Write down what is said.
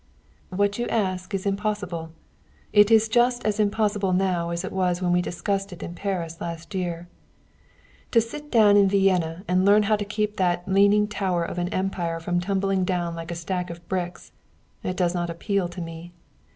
"What you ask is impossible. It is just as impossible now as it was when we discussed it in Paris last year. To sit down in Vienna and learn how to keep that leaning tower of an Empire from tumbling down like a stack of bricks it does not appeal to me.